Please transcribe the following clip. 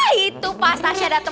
nah itu pas tasha dateng